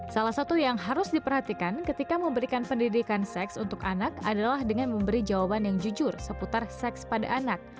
salah satu yang harus diperhatikan ketika memberikan pendidikan seks untuk anak adalah dengan memberi jawaban yang jujur seputar seks pada anak